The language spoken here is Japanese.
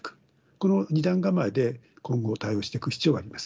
この二段構えで、今後、対応してく必要があります。